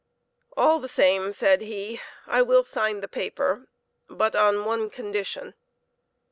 "All the same," said he, " I will sign the paper, but on one condition."